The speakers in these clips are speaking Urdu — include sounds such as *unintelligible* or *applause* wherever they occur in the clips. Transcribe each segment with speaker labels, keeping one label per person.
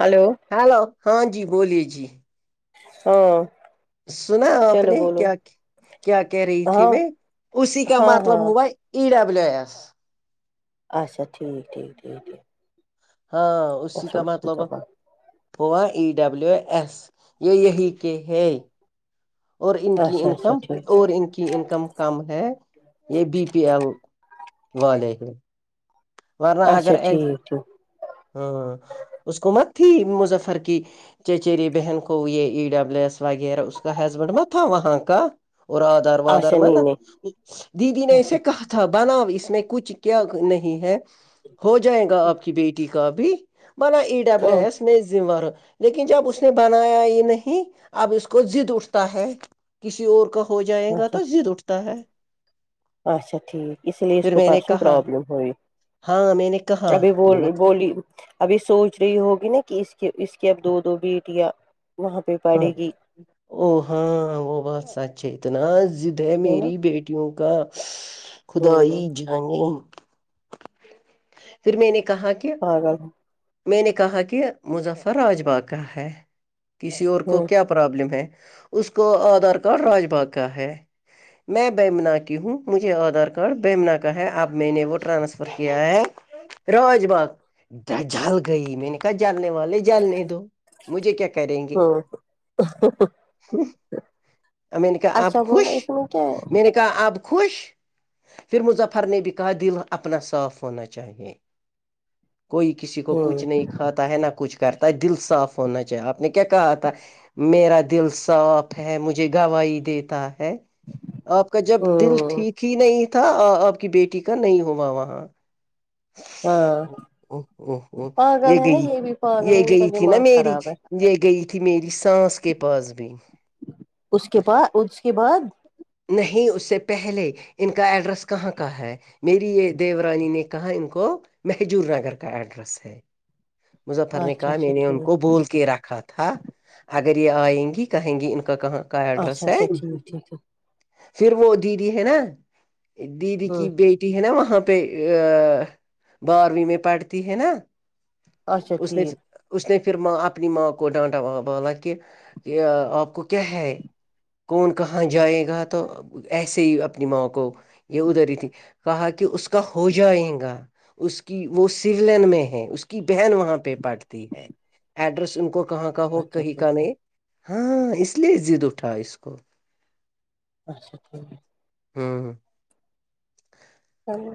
Speaker 1: ہلو
Speaker 2: ہیلو ہاں جی بولیے جی
Speaker 1: ہاں
Speaker 2: سنا آپ
Speaker 1: چلو
Speaker 2: نے
Speaker 1: بولو
Speaker 2: کیا کیا کہہ رہی تھی
Speaker 1: ہاں
Speaker 2: میں اسی کا
Speaker 1: ہاں
Speaker 2: مطلب
Speaker 1: ہاں
Speaker 2: ہوا ای ڈبلیو ایس
Speaker 1: اچھا ٹھیک ٹھیک ٹھیک ٹھیک
Speaker 2: ہاں اسی
Speaker 1: اچھا
Speaker 2: کا مطلب پا ای ڈبلیو ایس یہ یہی کے ہے اور ان کی
Speaker 1: اچھا اچھا
Speaker 2: انکم
Speaker 1: ٹھیک
Speaker 2: اور ان کی انکم کم ہے یہ بی پی ایل والے ہیں ورنہ
Speaker 1: اچھا
Speaker 2: اگر ایس
Speaker 1: ٹھیک ٹھیک
Speaker 2: ہاں اس کو مت تھی مظفر کی چچیری بہن کو یہ ای ڈبلو ایس وغیرہ اس کا ہسبینڈ م تھا وہاں کا اور آدار وادار
Speaker 1: اچھا
Speaker 2: مب
Speaker 1: نہیں نہیں
Speaker 2: دیدی نے
Speaker 1: اچھا
Speaker 2: اسے کہا تھا بناؤ اس میں کچھ کیا نہیں ہے ہو جائے گا آپ کی بیٹی کا بھی بلا ایڈ ڈبللیو ایس میں ذمار ہ لیکن جب اس نے بنایا یہ نہیں اب اس کو د اٹھتا ہے کسی اور کا ہو جائے گا تو د اٹھتا ہے
Speaker 1: اچا ٹھیک ا اس لیے اس
Speaker 2: پھر
Speaker 1: کو
Speaker 2: میں نے
Speaker 1: پرسن
Speaker 2: کہا
Speaker 1: پرابلم ہو یہ
Speaker 2: ہاں میں نے کہا
Speaker 1: ابھی ب
Speaker 2: میں نے
Speaker 1: بولی ابھی سوچ رہی ہوگی نا کہ اس کی اس کی اب دو دو بیٹیاں وہاں پہ
Speaker 2: ہاں
Speaker 1: پڑے گی
Speaker 2: او ہاں وہ بہت سچ ہے اتنا ضد ہے میری بیٹیوں کا خدا
Speaker 1: ہوں
Speaker 2: ہی
Speaker 1: ہوں
Speaker 2: جانیں پھر میں نے کہا کہ
Speaker 1: *inaudible*
Speaker 2: میں نے کہا کہ مظفر آج با کا ہے کسی اور کو
Speaker 1: ہوں
Speaker 2: کیا پرابلم ہے اس کو آدھار کارڈ راج باغ کا ہے میں بیمنا کی ہوں مجھے آدھار کارڈ بیمنا کا ہے اب میں نے وہ ٹرانسفر کیا ہے راج باغ جل گئی میں نے کہا جلنے والے جلنے دو مجھے کیا کریں گے
Speaker 1: ہوں
Speaker 2: میں نے کہا
Speaker 1: اچھا
Speaker 2: آپ
Speaker 1: بول
Speaker 2: خوش
Speaker 1: اس میں کیا ہے
Speaker 2: میں نے کہا آپ خوش پھر مظفرنبی کا دل اپنا صاف ہونا چاہیے کوئی کسی کو
Speaker 1: ہوں
Speaker 2: کچھ نہیں کھاتا ہے نہ کچھ کرتا ہے دل صاف ہونا چاہیے آپ نے کیا کہا تھا میرا دل صاف ہے مجھے گوائی دیتا ہے آپ کا جب دل
Speaker 1: ہوں
Speaker 2: ٹھیک ہی نہیں تھا آپ کی بیٹی کا نہیں ہوا وہاں
Speaker 1: ہاں
Speaker 2: اوہ اوہ اوہ یہ
Speaker 1: پاگل ہے نا
Speaker 2: گئی
Speaker 1: بھی پاگل
Speaker 2: یہ
Speaker 1: ہے ان کا
Speaker 2: گئی تھی نا
Speaker 1: دماغ
Speaker 2: میری
Speaker 1: خراب ہے
Speaker 2: یہ گئی تھی میری سانس کے پاس بھین
Speaker 1: اس کے پا اس کے بعد
Speaker 2: نہیں اس سے پہلے ان کا ایڈریس کہاں کا ہے میری یہ دیورانی نے کہا ان کو مہجور نگر کا ایڈریس ہے مظفر نے
Speaker 1: اچھا
Speaker 2: کہا
Speaker 1: اچھا
Speaker 2: میں نے ان
Speaker 1: ٹھیک
Speaker 2: کو بول کے رکھا تھا اگر یہ آئیں گی کہیں گی ان کا کہاں کا
Speaker 1: اچھا
Speaker 2: ایڈریس ہے
Speaker 1: اچھا ٹھیک ٹھیک
Speaker 2: پھر وہ دیدی ہے نا دیدی
Speaker 1: ہ
Speaker 2: کی بیٹی ہے نا وہاں پہ بارہویں میں پڑھتی ہے نا
Speaker 1: اچھا
Speaker 2: اس نے
Speaker 1: ٹھیک
Speaker 2: اس نے پھر ماں اپنی ماں کو ڈانٹا بولا کہ آپ کو کیا ہے کون کہاں جائے گا تو ایسے ہی اپنی ماں کو یہ ادھر ہی تھی کہا کہ اس کا ہو جائے گا اس کی وہ سولین میں ہے اس کی بہن وہاں پہ پٹتی ہے ایڈریس ان کو کہاں کا ہو
Speaker 1: اچھا
Speaker 2: کہیں
Speaker 1: ٹھیک
Speaker 2: کا نہیں ہاں اس لیے ضد اٹھا اس کو
Speaker 1: اچھا ٹھیک ہے
Speaker 2: ہممم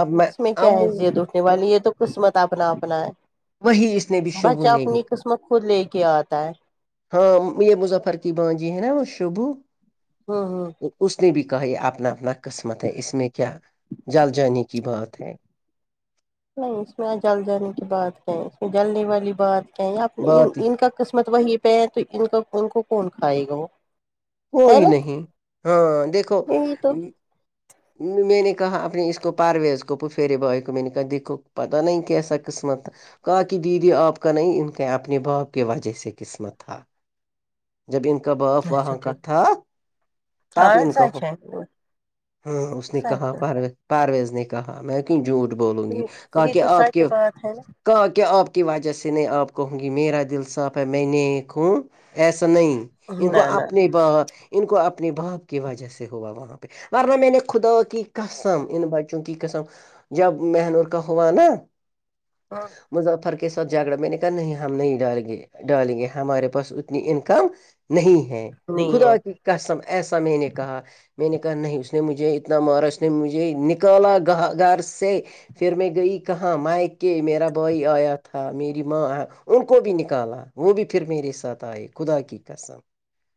Speaker 2: اب
Speaker 1: اس میں کیا
Speaker 2: اب
Speaker 1: ہے عزیت اٹھنے والی یہ تو قسمت اپنا اپنا
Speaker 2: وہی اس نے بھی
Speaker 1: ہے
Speaker 2: شبو
Speaker 1: بچہ
Speaker 2: نے بھی
Speaker 1: اپنی قسمت خود لے کے آتا ہے
Speaker 2: ہاں یہ مظفر کی بانجی ہے نا وہ شبو
Speaker 1: ہممم ہممم
Speaker 2: اس نے بھی کہا یہ اپنا اپنا قسمت ہے اس میں کیا جل جانے کی بات ہے
Speaker 1: نہیں اس میں جل جانے کی بات کہیں اس میں جلنے والی بات کیا
Speaker 2: بات
Speaker 1: ان کا قسمت وہی پہ ہے تو ان ان کو کون کھائے گا وہ ہے
Speaker 2: کوئی
Speaker 1: نا
Speaker 2: نہیں ہاں دیکھو
Speaker 1: یہی *inaudible*
Speaker 2: میں نے کہا اپنے اس کو پرارویز کو پفھییرے بوائے کو میں نے کہا دیکھو پتا نہیں کیسا قسمت کہا کہ دیدی آپ کا نہیں ان کے اپنے باپ کے وجہ سے قسمت تھا جب ان کا باپ
Speaker 1: اچھا
Speaker 2: وہاں کا
Speaker 1: ٹھیک
Speaker 2: تھا
Speaker 1: ہاں
Speaker 2: تپ ان کا
Speaker 1: سچ ہے
Speaker 2: ہاں اس نے
Speaker 1: سچ
Speaker 2: کہا
Speaker 1: ہے
Speaker 2: پرار پرویز نے کہا میں کیوں جھوٹ بولوں گی کہ
Speaker 1: یہ
Speaker 2: کہ
Speaker 1: تو
Speaker 2: آپ
Speaker 1: سچ
Speaker 2: کے
Speaker 1: بات ہے
Speaker 2: کہاں کیا آپ کی وجہ سے نہیں آپ کہوں گی میرا دل صاف ہے میں نیک ہوں ایسا نہیں ان کو
Speaker 1: نا نہ
Speaker 2: اپنے ب ان کو اپنے اپنے باپ کی وجہ سے ہوا وہاں پہ ورنہ میں نے خدا کی کسم ان بچوں چونکہ قسم جب مہنور کا ہوا نا
Speaker 1: ہاں
Speaker 2: مظفر کے ساتھ جھگڑا میں نے کہا نہیں ہم نہیں ڈال گے ڈالیں گے ہمارے پاس اتنی انکم نہیں ہے
Speaker 1: نہیں ہے
Speaker 2: خدا کیسم ایسا میں نے کہا میں نے کہا نہیں اس نے مجھے اتنا مارا اس نے مجھے نکالا گ گھر سے پھر میں گئی کہاں مائک کے میرا بھائی آیا تھا میری ماں ان کو بھی نکالا وہ بھی پھر میرے ساتھ آئے خدا کی قسم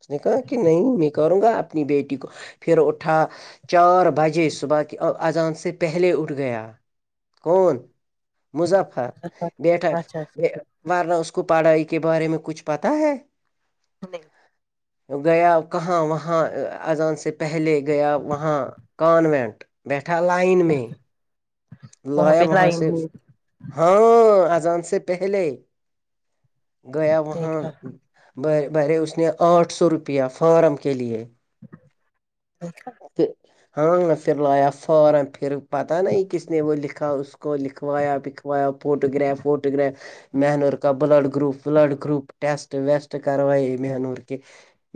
Speaker 2: اس نے کہا کہ نہیں میں کروں گا اپنی بیٹی کو پھر اٹھا چار بجے صبح کے اذان سے پہلے اٹھ گیا کون مظفر بیٹا
Speaker 1: اچھا اچھا
Speaker 2: ورنہ اس کو پڑھائی کے بارے میں کچھ پتا ہے
Speaker 1: نہیں
Speaker 2: گیا کہاں وہاں اذان سے پہلے گیا وہاں کانوینٹ بیٹھا لائن میں لایا
Speaker 1: پہ
Speaker 2: وہاں
Speaker 1: لائن
Speaker 2: سے
Speaker 1: ہوئی
Speaker 2: ہاں آجان سے پہلے گیا وہاں
Speaker 1: دیکھا
Speaker 2: ب برے اس نے آٹھ سو روپیہ فارم کے لیے
Speaker 1: ٹیک ہے
Speaker 2: *unintelligible* اس نے وہ لکھا اس کو لکھوایا بکھوایا فوٹو گگراف ووٹو گگراف مہانور کا بلڈ گروپ بلڈ گروپ یسٹ ویسٹ کروائیے مہنور کے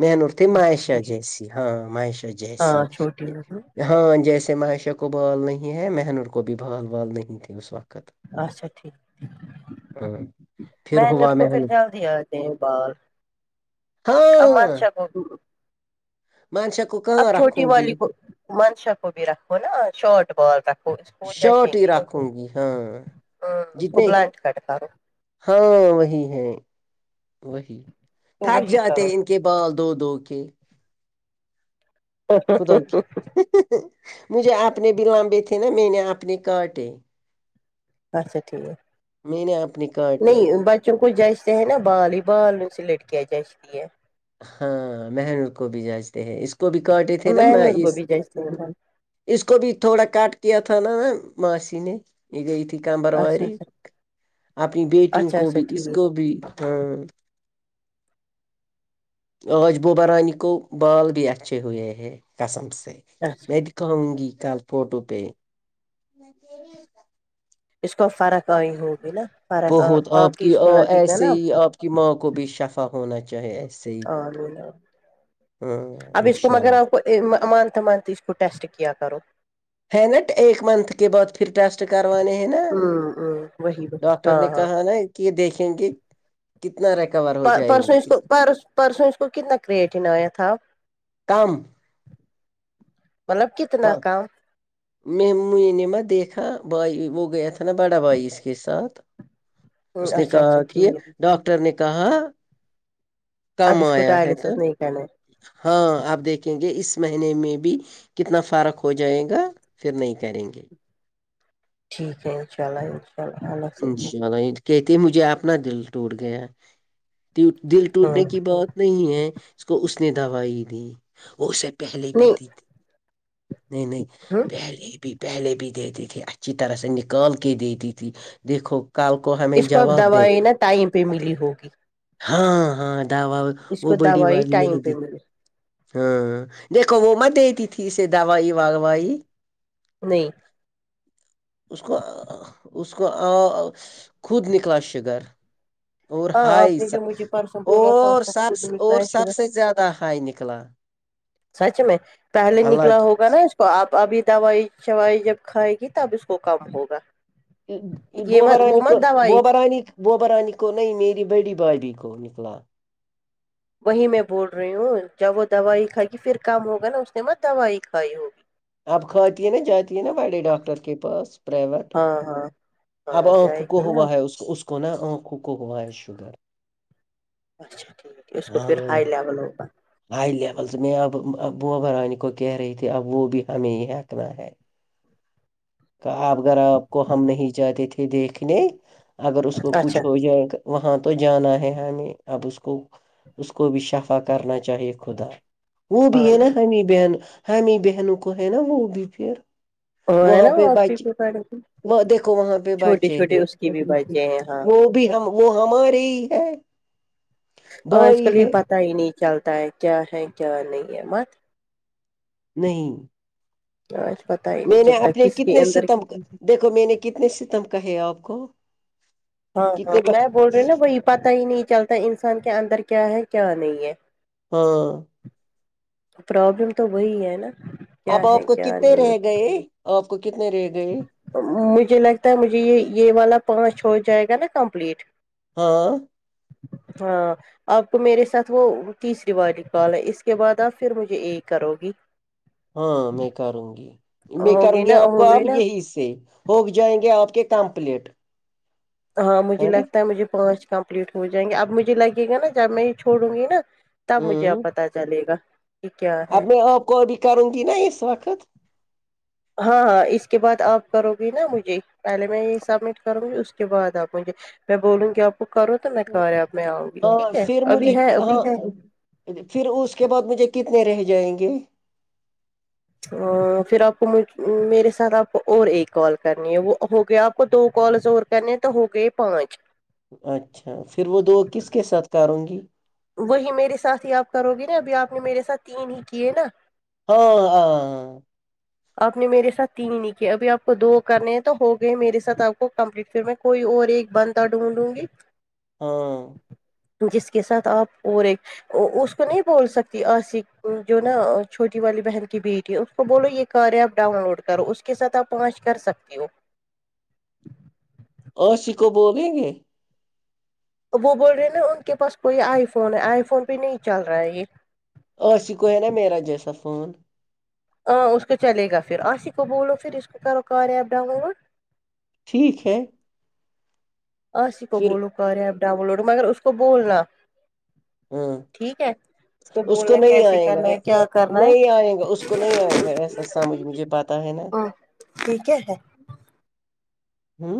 Speaker 2: میں نورتی
Speaker 1: اچھا
Speaker 2: ماہشا جیسی ہاں ماہیشا جی
Speaker 1: ہاں چھوٹی ہو
Speaker 2: ہاں جیسے معائشہ کو بھال نہیں ہے مہنر کو بھی بھال بال نہیں تھی اس وقت
Speaker 1: اچھا ٹھیک
Speaker 2: ہاں پھر
Speaker 1: میں نےر
Speaker 2: ہوا
Speaker 1: کو پھر
Speaker 2: مہنور
Speaker 1: جلد ہی آتے بر امن
Speaker 2: ہاں
Speaker 1: شب ہ *unintelligible*
Speaker 2: منس کو
Speaker 1: اب
Speaker 2: کہاں
Speaker 1: چھوٹی
Speaker 2: رکھوں گی
Speaker 1: والی کو منشا کو بھی رکھو نا شارٹ بال رکھو اس پ جاچیں
Speaker 2: شارٹ ہی
Speaker 1: گے
Speaker 2: رکھوں گی ہاں
Speaker 1: ہ اس کو
Speaker 2: جتنے
Speaker 1: بلانٹ کاٹکو
Speaker 2: ہاں وہی ہے وہی
Speaker 1: تو
Speaker 2: تھک
Speaker 1: وہی
Speaker 2: جاتے
Speaker 1: کرو
Speaker 2: ان کے بال دو دو کے خا مجھے آنے ب لامبے تھے نا میں نے اپ نے کاٹے
Speaker 1: اچھا ٹھیک
Speaker 2: میں نے اپنی کارٹیں
Speaker 1: چ کچھ جچتے ہے نا بال ہی بال ن سے لڑکیا جچتی ہے
Speaker 2: ہاں مہنور کو بھی جانچتے ہیں اس کو بھی کاٹے تھے نا
Speaker 1: میں نور کو بھی جیسے ہوں نا۔
Speaker 2: اس کو بھی تھوڑا کاٹ کیا تھا نا نا ماسی نے یہ گئی تھی
Speaker 1: اچھا
Speaker 2: کمبرواری
Speaker 1: اچھا
Speaker 2: اپنی بیٹیوں
Speaker 1: اچھا
Speaker 2: کو
Speaker 1: اچھا
Speaker 2: بھی اس
Speaker 1: ٹھیک
Speaker 2: کو بھی ہاں آج بوبرانی کو بال بھی اچھے ہوئے ہے قسم سے
Speaker 1: اچھا
Speaker 2: میں کہوں گی کل فوٹو پہ
Speaker 1: اس کو فرق آئی ہوگی نا فرق آ
Speaker 2: بہت
Speaker 1: آ
Speaker 2: آپ
Speaker 1: کے
Speaker 2: کی
Speaker 1: اس کو لگے گا
Speaker 2: ایسے
Speaker 1: نا
Speaker 2: ہی آپ کی ما کو بھی شفا ہونا چاہیے صحی
Speaker 1: آمین۔
Speaker 2: ہ ان شاء اللہ
Speaker 1: امانتمانت اس کو ٹیسٹ کیا کرو
Speaker 2: ہ نٹ ایک منتھ کے بہت پھر ٹیسٹ کروانے ہیں نا
Speaker 1: ہوں ہوں وہی وہی
Speaker 2: ڈاکٹر
Speaker 1: ہاں
Speaker 2: نے
Speaker 1: ہاں
Speaker 2: کہا نا کہ یہ دیکھیں گے کتنا ریکور ہو جائیں
Speaker 1: سوں اس
Speaker 2: گے
Speaker 1: کو پر پرسوں اس کو کتنا کریٹن آیا تھا
Speaker 2: کم
Speaker 1: مطلب کتنا کام
Speaker 2: مہمو نے ما دیکھا بھائی وہ گییا تھ نا بڑا بھائی اس کے ساتھ اس نے کہ
Speaker 1: اچھا اچھا
Speaker 2: کی
Speaker 1: ٹھیک ہے
Speaker 2: ڈاکٹر نے کہا کم
Speaker 1: اب اس کو
Speaker 2: آیا ہے تو
Speaker 1: ڈائلسس نہیں کرنا ہے
Speaker 2: ہاں آپ دیکھیں گے اس مہینے میں بھی کتنا فارق ہو جائے گا پھر نہیں کریں گے
Speaker 1: ٹھیک ہے ان شاء اللہ انن شاء اللہ الگ
Speaker 2: جانا کہتے مجھے اپنا دل ٹوٹ گیا دل
Speaker 1: سے۔ ہاں
Speaker 2: ٹوٹنے کی بہت نہیں ہے اس کو اس نے دوائی دی وہ اسے پہلے بھی دی تھی نہیں نہیں
Speaker 1: ہاں
Speaker 2: پہلے بھی پہلے بھی دیتی تھی اچھی طرح سے نکال کے دیتی تھی دیکھو کاالکو ہے
Speaker 1: اس کو اب دوائیں نا ٹائم پہ ملی ہوگی
Speaker 2: ہاں ہاں دعوا
Speaker 1: اس
Speaker 2: وہ
Speaker 1: کو
Speaker 2: بڑی
Speaker 1: دوائی
Speaker 2: والاری
Speaker 1: ٹائم
Speaker 2: نہیں
Speaker 1: پہ
Speaker 2: تھی
Speaker 1: ملی
Speaker 2: ہاں دیکھو وہ مت دیتی تھی اسے دوائی وائی
Speaker 1: نہیں
Speaker 2: اس کو اس کو خود نکلا شگر اور
Speaker 1: ہاں
Speaker 2: ہائی
Speaker 1: آپ نے جو مجھے پرسوں بولا تھا اس
Speaker 2: اور
Speaker 1: کا
Speaker 2: سب
Speaker 1: خود نکلا
Speaker 2: اور
Speaker 1: ہے
Speaker 2: سب
Speaker 1: شوگر
Speaker 2: سے زیادہ ہائی نکلا
Speaker 1: سچ میں پہلے
Speaker 2: اللہ
Speaker 1: نکلا
Speaker 2: کی
Speaker 1: ہوگا نا
Speaker 2: قسم۔
Speaker 1: اس تو آپ ابھی دوائی شائی جب کھائے گی تب اس کو کم ہوگا یہ مت وہ
Speaker 2: بوبرانی کو
Speaker 1: مت دوائی
Speaker 2: بوبرانی بوبرانی کو نہیں میری بڑی بھابھی کو نکلا
Speaker 1: وہی میں بول رہی ہوں جب وہ دوائی کھائے گی پھر کام ہوگا نا اس نے م دوائی کھائی ہوگی
Speaker 2: اب کھاتی ہے نا جاتی ہے نا بڑے ڈاکٹر کے پاس پائیویٹ
Speaker 1: ہاں ہاں ہاں
Speaker 2: اب
Speaker 1: جائے
Speaker 2: آنکھوں کو
Speaker 1: گی نا
Speaker 2: ہوا ہے اس کو نا آنکھوں کو ہوا ہے شوگر
Speaker 1: اچھا ٹھیک ہے اس کو
Speaker 2: ہاں
Speaker 1: پھر ہائی لیول ہوگا
Speaker 2: ہائی لیول سے میں اب بوبا رانی کو کہہ رہی تھی اب وہ بھی ہمیں یہ آکھنا ہے کہ اپ اگر آپ کو ہم نہیں جاتے تھے دیکھنے اگر اس کو کچھ
Speaker 1: اچھا
Speaker 2: ہو جائے وہاں تو جانا ہے ہمیں اب اس کو اس کو بھی شفا کرنا چاہیے خدا وہ بھی
Speaker 1: ہاں
Speaker 2: ہے نا ہمیں بہن ہمیں بہنوں کو ہے نا وہ بھی پھر
Speaker 1: ان
Speaker 2: وہاں پہ
Speaker 1: بتی
Speaker 2: بچے
Speaker 1: سڑے
Speaker 2: وہ دیکھو وہاں پہ بچے ہیں
Speaker 1: بچے ہیں ہاں
Speaker 2: وہ بھی ہم وہ ہمارے ہی ہے
Speaker 1: آج
Speaker 2: بھائی
Speaker 1: کل یہ
Speaker 2: ہے
Speaker 1: پتا ہی نہیں چلتا ہے کیا ہے کیا نہیں ہے مت
Speaker 2: نہیں
Speaker 1: آج بتائی
Speaker 2: میں نے آپ نے کتنے ستم دیکھو میں نے کتنے ستم کہے آپ کو
Speaker 1: ہاں ہاں
Speaker 2: کتنے
Speaker 1: میں بول رہی
Speaker 2: ب-
Speaker 1: ہوں نا وہی پتا ہی نہیں چلتا انسان کے اندر کیا ہے کیا نہیں ہے
Speaker 2: ہاں
Speaker 1: پرابلم تو وہی ہے نا کیا
Speaker 2: اب آپ
Speaker 1: ہے
Speaker 2: کو
Speaker 1: کیا
Speaker 2: کتنے
Speaker 1: نہیں
Speaker 2: رہ گئے آپ کو کتنے رہ گئے
Speaker 1: مجھے لگتا ہے مجھے یہ یہ والا پانچ ہو جائے گا نا کمپلیٹ
Speaker 2: ہاں
Speaker 1: ہاں آپ کو میرے ساتھ وہ تیسری والی پالا اس کے بعد آپ پھر مجھے ایک کرو گی
Speaker 2: ہاں میں کروں گی میں کروں
Speaker 1: ہوگی
Speaker 2: گی
Speaker 1: نا
Speaker 2: آپ کو
Speaker 1: ہو
Speaker 2: آپ
Speaker 1: گئی نا
Speaker 2: یہی سے ہوگ جائیں گے آپ کے کمپلیٹ
Speaker 1: ہاں مجھے لگتا ہے مجھے پانچ کمپلیٹ ہو جائیں گے اب مجھے لگے گا نا جب میں یہ چھوڑوں گی نا تب مجھے
Speaker 2: ہ
Speaker 1: اب پت چلے گا کہ کیا
Speaker 2: اب
Speaker 1: ہے
Speaker 2: میں آو قب بھی کروں د نا اس وقت
Speaker 1: ہاں ہاں اس کے بعد آپ کرو گی نا مجھے پہلے میں یہ سبمٹ کروں گی اس کے بعد آپ مجھے میں بولوں گی آپ بک کرو تو میں کہا رہا اب میں آؤں گی
Speaker 2: ہاں
Speaker 1: ٹھیک ہے
Speaker 2: پھر مجھے
Speaker 1: ابھی ہے ابھی
Speaker 2: ہاں
Speaker 1: ہے
Speaker 2: پھر اس کے بعد مجھے کتنے رہ جائیں گے
Speaker 1: پھر آپ کوج میرے ساتھ آپ کو اور ایک کال کرنی ہے وہ ہو گیا آپ کو دو کالز اور کہنے تو ہو گئے پہنچ
Speaker 2: اچھا پھر وہ دو کس کے ساتھ کاروں گی
Speaker 1: وہی میرے ساتھ ہی آپ کرو گے نا ابھی آپ نے میرے ساتھ تین ہی کیے نا
Speaker 2: ہاں ہاں
Speaker 1: آپ نے میرے ساتھ تین نہیں کیے ابھی آپ کو دو کرنے ہیں تو ہو گئے میرے سات آپ کو کمپلیٹ فٹ کوئی اور ایک بنتا ڈونونڈوں گی
Speaker 2: ہاں
Speaker 1: جس کے ساتھ آپ اور ایک اس کو نہیں بول سکتی آصف جو نا چھوٹی والی بہن کی بیٹی ہے اس کو بولو یہ کر ایپ ڈاؤن لوڈ کرو اس کے ساتھ آپ پہنچ کر سکتے ہو
Speaker 2: اوشی کو بولیں گے
Speaker 1: وہ بول رہے ہیں نا ان کے پاس کوئی آئی فون ہے آئی فون پہ نہیں چل رہا ہے یہ
Speaker 2: عش کو نا میرا جیسا فون
Speaker 1: ہاں اس کو چلے گا پھر آسیی کو بولو پھر اس کو کرو کار ایپ ڈاؤن لوڈ
Speaker 2: ٹھیک ہے
Speaker 1: آسی کو
Speaker 2: پھر
Speaker 1: بولو کار ایپ ڈاؤن لوڈ ہو مگر اس کو بولنا
Speaker 2: ہاں
Speaker 1: ٹھیک ہے
Speaker 2: اس کو
Speaker 1: بولنا
Speaker 2: نہیں
Speaker 1: کیسے
Speaker 2: آئے گا
Speaker 1: کرنا ہے کیا کرنا ہے
Speaker 2: نہیں آئے گا اس کو نہیں آئے گا ایسا سمجھ مجھے بات پتا ہے نا
Speaker 1: ہاں ٹھیک ہے ہے
Speaker 2: ہوں